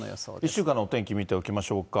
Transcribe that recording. １週間のお天気、見ておきましょうか。